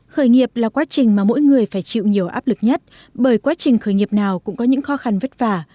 khởi nghiệp là quá trình mà mỗi người phải chịu nhiều áp lực nhất bởi quá trình khởi nghiệp nào cũng có những khó khăn vất vả